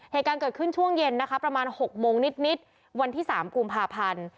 เหตุการณ์เกิดขึ้นช่วงเย็นนะคะประมาณ๖โมงนิดวันที่๓กุมภาพันธ์